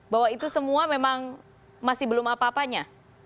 bahwa itu semua memang masih belum apa apanya